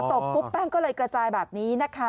บปุ๊บแป้งก็เลยกระจายแบบนี้นะคะ